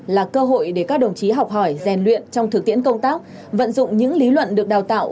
là cơ hội để các đồng chí học hỏi rèn luyện trong thực tiễn công tác vận dụng những lý luận được đào tạo